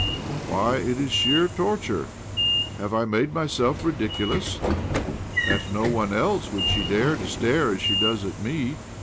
" Why, it is sheer torture ! Have I made myself ridiculous? At no one else would she dare to stare as she does at me.